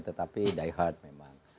tetapi die hard memang